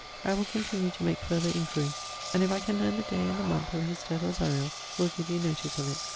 I will continue to make further inquiry, and if I can learne the day and the month of his death or buriall will give you notice of it.